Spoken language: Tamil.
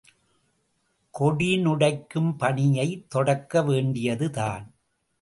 கொடினுடைக்கும் பணியைத் தொடக்க வேண்டியது தான்!